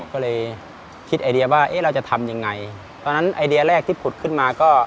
ก็เลยคิดไอเดียว่าเอ๊ะเราจะทำยังไงตอนนั้นไอเดียแรกที่ผุดขึ้นมาก็